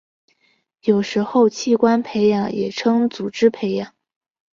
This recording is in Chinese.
有时候器官培养也称作组织培养。